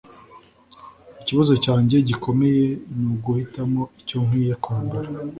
Ikibazo cyanjye gikomeye ni uguhitamo icyo nkwiye kwambara